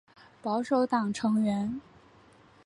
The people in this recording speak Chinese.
保守党成员。